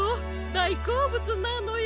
だいこうぶつなのよ。